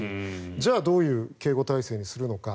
じゃあどういう警護体制にするのか。